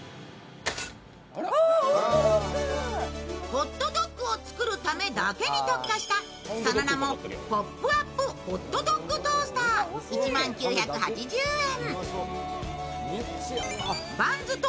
ホットドッグを作るためだけに特化したその名もポップアップホットドッグトースター、１万９８０円。